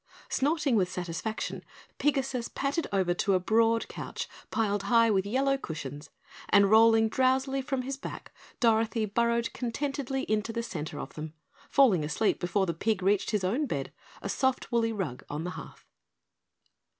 Snorting with satisfaction, Pigasus pattered over to a broad couch piled high with yellow cushions and, rolling drowsily from his back, Dorothy burrowed contentedly into the center of them, falling asleep before the pig reached his own bed, a soft woolly rug on the hearth.